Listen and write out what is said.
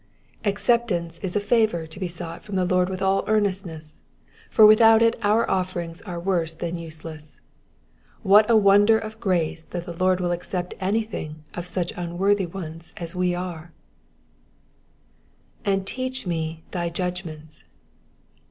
Acceptance is a favour to be sought from the Lord with all earnestness, for without it our offerings are worse than useless. What a wonder of grace that the Lord will accept anything of such unworthy ones as we are I ^^Aiid teach me thy judgments.''